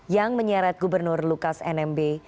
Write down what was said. yang menyeret gubernur lukas nmb